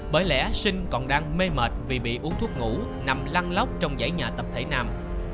bởi lẽ sinh còn đang mê mệt vì bị uống thuốc ngủ nằm lăng lóc trong dãy nhà tập thể nam